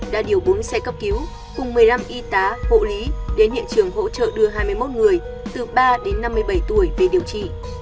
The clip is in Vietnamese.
đã điều bốn xe cấp cứu cùng một mươi năm y tá hộ lý đến hiện trường hỗ trợ đưa hai mươi một người từ ba đến năm mươi bảy tuổi về điều trị